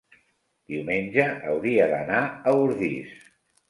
diumenge hauria d'anar a Ordis.